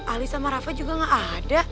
ali sama rafa juga gak ada